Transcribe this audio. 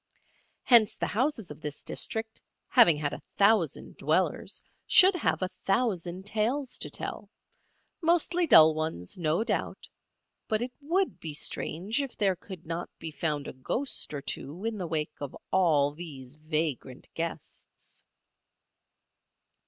Hence the houses of this district, having had a thousand dwellers, should have a thousand tales to tell, mostly dull ones, no doubt; but it would be strange if there could not be found a ghost or two in the wake of all these vagrant guests.